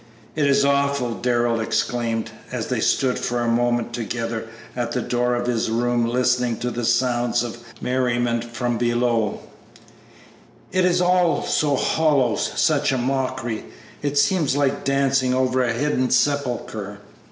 "It is awful!" Darrell exclaimed, as they stood for a moment together at the door of his room listening to the sounds of merriment from below; "it is all so hollow, such a mockery; it seems like dancing over a hidden sepulchre!"